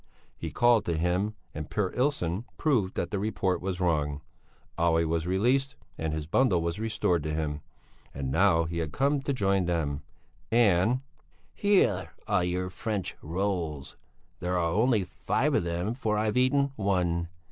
He called to him, and Per Illson proved that the report was wrong. Olle was released and his bundle was restored to him. And now he had come to join them and "Here are your French rolls! There are only five of them, for I've eaten one.